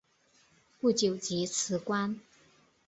不久即辞官。